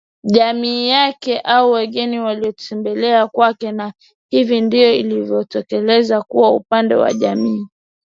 Jamii yake au wageni waliomtembelea kwake Na hivi ndivyo ilivyojitokeza kwa upande wa jamii